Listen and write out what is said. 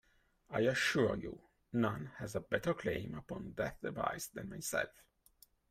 I assure you, none has a better claim upon that device than myself.